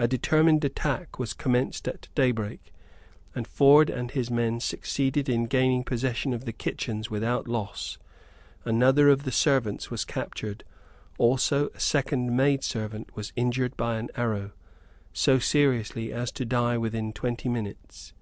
A determined attack was commenced at daybreak; and Ford and his men succeeded in gaining possession of the kitchens without loss. Another of the servants was captured, also a second maid servant was injured by an arrow, so seriously as to die within twenty minutes.